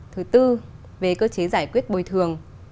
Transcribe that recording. thứ tư về cơ chế giải quyết bồi thường